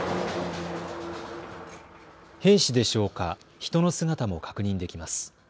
兵士でしょうか、人の姿も確認できます。